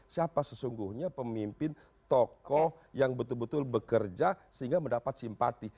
siapa sesungguhnya pemimpin tokoh yang betul betul bekerja sehingga mendapat simpati